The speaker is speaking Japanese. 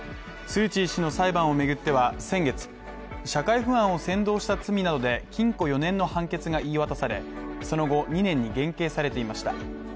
スー・チー氏の裁判をめぐっては先月、社会不安を扇動した罪などで禁錮４年の判決が言い渡され、その後２年に減刑されていました。